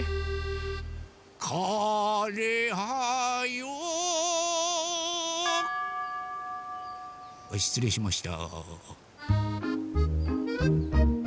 かれはよしつれいしました。